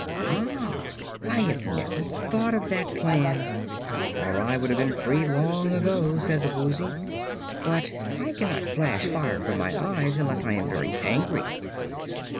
"Ah, I have never thought of that plan, or I would have been free long ago," said the Woozy. "But I cannot flash fire from my eyes unless I am very angry."